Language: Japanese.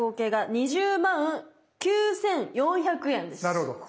なるほど。